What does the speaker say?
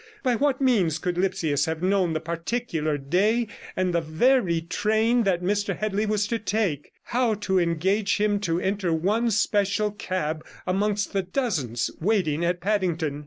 By what means could Lipsius have known the particular day and the very train that Mr Headley was to take? How to engage him to enter one special cab amongst the dozens waiting at Paddington?